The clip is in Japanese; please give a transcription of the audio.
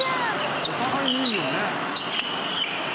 お互いにいいよね。